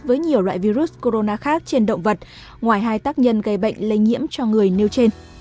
với nhiều loại virus corona khác trên động vật ngoài hai tác nhân gây bệnh lây nhiễm cho người nêu trên